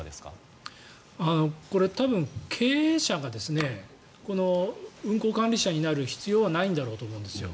これ、多分経営者が運航管理者になる必要はないんだろうと思うんですよ。